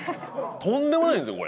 とんでもないですよ